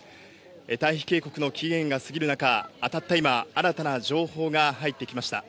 退避警告の期限が過ぎる中、たった今、新たな情報が入ってきました。